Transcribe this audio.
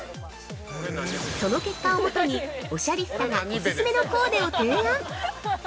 ◆その結果をもとにおしゃリスタがお勧めのコーデを提案。